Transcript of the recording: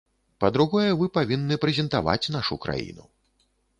Па-другое, вы павінны прэзентаваць нашу краіну.